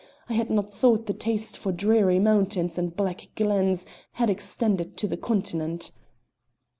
I had not thought the taste for dreary mountains and black glens had extended to the Continent."